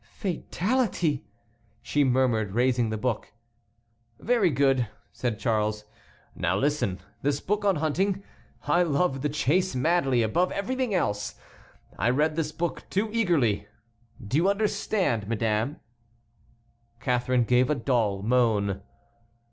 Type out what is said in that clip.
"Fatality!" she murmured, raising the book. "Very good," said Charles, "now listen; this book on hunting—I loved the chase madly, above everything else—I read this book too eagerly, do you understand, madame?" Catharine gave a dull moan.